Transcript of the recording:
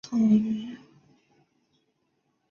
参与观察是一种研究策略。